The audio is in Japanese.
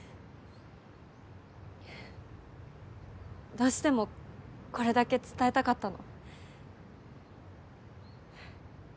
どうしてもこれだけ伝えたかったの。